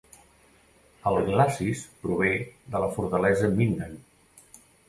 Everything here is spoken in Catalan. El "Glacis" prové de la fortalesa Minden.